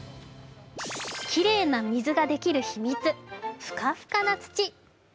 きれいな水ができる秘密、フカフカな土。